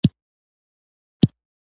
ښه بریالی مدیر دی.